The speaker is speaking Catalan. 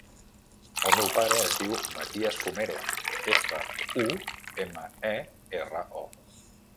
El meu pare es diu Matías Fumero: efa, u, ema, e, erra, o.